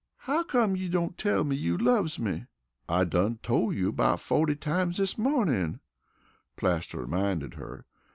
"How come you don't tell me you loves me?" "I done tole you 'bout fawty times dis mawnin'," Plaster reminded her.